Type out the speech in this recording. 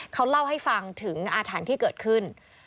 เขาเล่าให้ฟังถึงอาถรรพ์ที่เกิดขึ้น